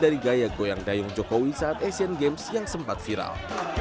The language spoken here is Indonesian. dari gaya goyang dayung jokowi saat asian games yang sempat viral